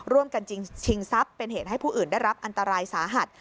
จริงชิงทรัพย์เป็นเหตุให้ผู้อื่นได้รับอันตรายสาหัส